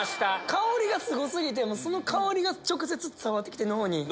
香りがすご過ぎて香りが直接伝わってきて脳に。